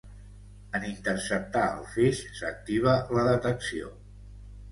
En interceptar el feix s'activa la detecció.